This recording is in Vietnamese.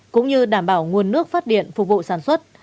cũng như đảm bảo nguồn nước phát điện phục vụ sản xuất